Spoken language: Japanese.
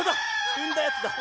うんだやつだ。